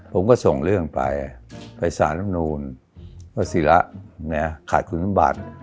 ผมก็ส่งเรื่องไปไปสารลำนูลวศิระขาดคุณสมบัติ